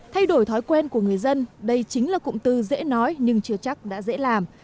thay đổi thói quen của người dân đây chính là cụm từ dễ nói nhưng chưa chắc đã dễ làm